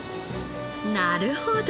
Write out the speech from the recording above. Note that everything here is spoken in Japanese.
なるほど！